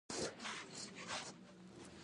د ګیډې د باد لپاره کوم څاڅکي وکاروم؟